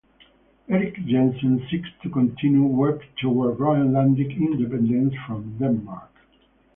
Erik Jensen seeks to continue work toward Greenlandic independence from Denmark.